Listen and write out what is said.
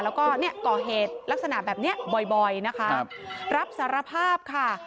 แล้วก็เนี่ยก่อเหตุลักษณะแบบนี้บ่อยนะคะรับสารภาพค่ะ